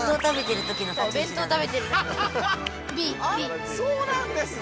あっそうなんですね！